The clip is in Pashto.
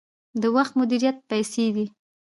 د وخت مدیریت پیسې دي